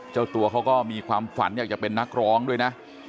เจ้าตัวเขาก็มีความฝันอยากจะเป็นนักร้องด้วยนะ